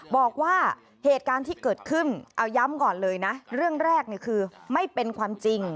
บอกว่าเหตุการณ์ที่เกิดขึ้นเอาย้ำก่อนเลยนะเรื่องแรกคือไม่เป็นความจริง